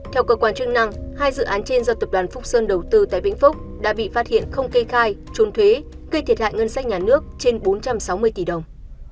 theo cơ quan chức năng hai dự án trên do tập đoàn phúc sơn đầu tư tại vĩnh phúc đã bị phát hiện không kê khai trôn thuế gây thiệt hại ngân sách nhà nước trên bốn trăm sáu mươi tỷ đồng